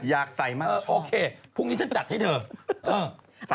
อยากใส่มากชอบอ่ะโอเคพรุ่งนี้ฉันจัดให้เธอ